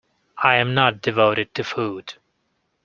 I am not devoted to food!